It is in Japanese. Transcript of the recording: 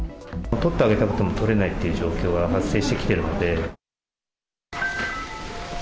取ってあげたくても取れないっていう状況が発生してきているので。